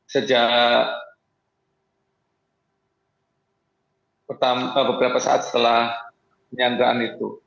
sejak beberapa saat setelah penyanderaan itu